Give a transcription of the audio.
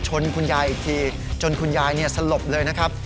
คุณยายอีกทีจนคุณยายสลบเลยนะครับ